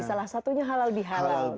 salah satunya halal bihalal